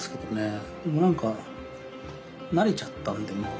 でも何か慣れちゃったんでもう。